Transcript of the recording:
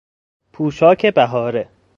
پوشاک بهاره